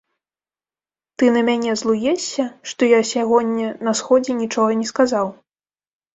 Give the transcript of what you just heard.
Ты на мяне злуешся, што я сягоння на сходзе нічога не сказаў?